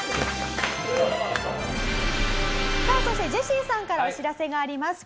さあそしてジェシーさんからお知らせがあります。